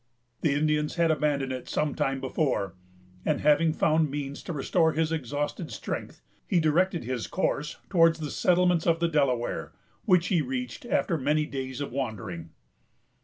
The Indians had abandoned it some time before; and, having found means to restore his exhausted strength, he directed his course towards the settlements of the Delaware, which he reached after many days of wandering.